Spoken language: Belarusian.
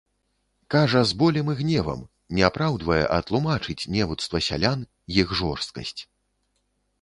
Кажа з болем і гневам, не апраўдвае, а тлумачыць невуцтва сялян, іх жорсткасць.